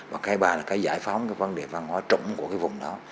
và cái ba là cái giải phóng cái vấn đề văn hóa chủng của cái vùng đó